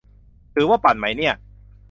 ถือว่าปั่นไหมเนี่ย ?